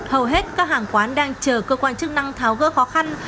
hầu hết các hàng quán đang chờ cơ quan chức năng tháo gỡ khó khăn